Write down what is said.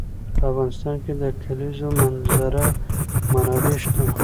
په افغانستان کې د د کلیزو منظره منابع شته.